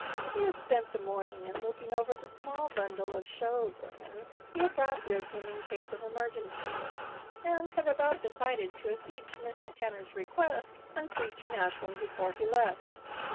He had spent the morning in looking over the small bundle of "show sermons" he had brought with him in case of emergency, and had about decided to accede to Mrs. Tanner's request and preach in Ashland before he left.